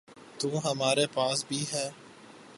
تو ہمارے پاس بھی ہے۔